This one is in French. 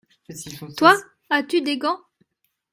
Toi ?… as-tu des gants ?